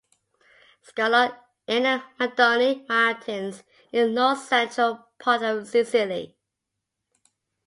Scalone in the Madonie Mountains in the north-central part of Sicily.